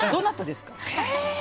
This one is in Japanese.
どなたですか。